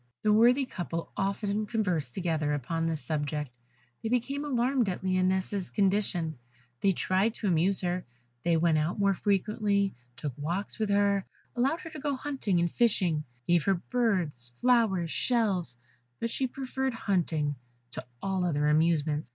The worthy couple often conversed together upon this subject; they became alarmed at Lionette's condition; they tried to amuse her; they went out more frequently, took walks with her, allowed her to go hunting and fishing, gave her birds, flowers, shells; but she preferred hunting to all other amusements.